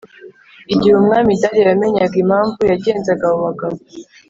Igihe Umwami Dariyo yamenyaga impamvu yagenzaga abobagabo